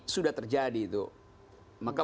sudah terjadi itu maka